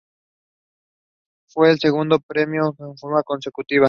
Fue el segundo premio de forma consecutiva.